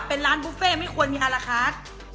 เป็นร้านบุฟเฟ่ไม่ควรยาละคร